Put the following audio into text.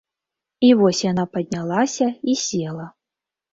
І вось яна паднялася і села.